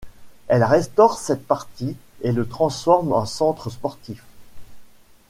Elle restaure cette partie et le transforme en centre sportif.